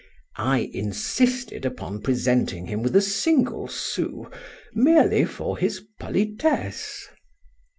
—I insisted upon presenting him with a single sous, merely for his politesse.